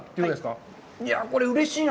これ、うれしいな。